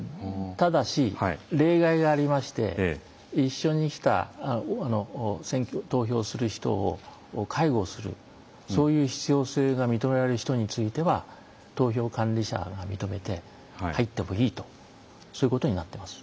ただし例外がありまして一緒に来た投票する人を介護するそういう必要性が認められる人については投票管理者が認めて入ってもいいとそういうことになっています。